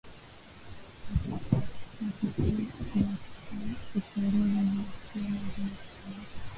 na tukumbuke pia kupunguza vyakula vyeye sukari